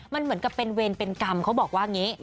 มันเหมือนกับเป็นเวรเป็นกรรมเขาบอกว่าอย่างนี้